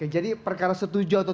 jadi perkara setuju atau